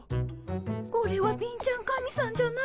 これは貧ちゃん神さんじゃなくて。